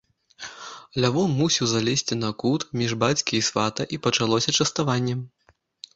Лявон мусіў залезці на кут, між бацькі і свата, і пачалося частаванне.